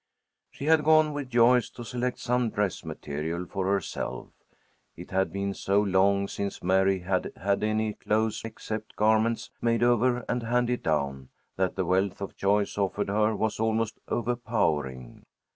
She had gone with Joyce to select some dress material for herself. It had been so long since Mary had had any clothes except garments made over and handed down, that the wealth of choice offered her was almost overpowering.